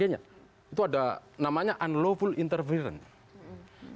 itu ada namanya unlawful intervierance